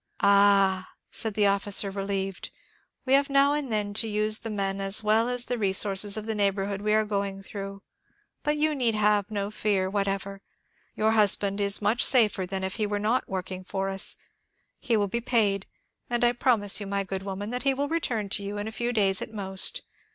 ^' Ah," said the officer, relieved ;we have now and then to use the men as well as the resources of the neighbourhood we are going through ; but you need have no fear whatever ; your husband is much safer than if he were not working for us ; he will be paid, and I promise you, my good woman, that he will return to you in a few days at most.